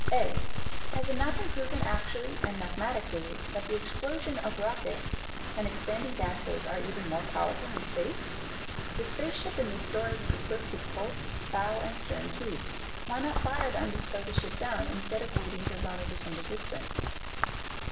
(a) Has it not been proven actually and mathematically that the explosions of rockets and expanding gases are even more powerful in space? The space ship in this story was equipped with both bow and stern tubes; why not fire them to slow the ship down instead of waiting to run into some resistance?